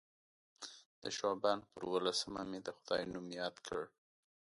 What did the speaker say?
د شعبان پر اووه لسمه مې د خدای نوم یاد کړ.